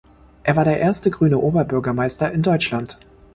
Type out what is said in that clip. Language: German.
Er war der erste grüne Oberbürgermeister in Deutschland.